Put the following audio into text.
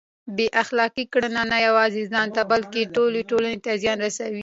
بې اخلاقه کړنې نه یوازې ځان ته بلکه ټولې ټولنې ته زیان رسوي.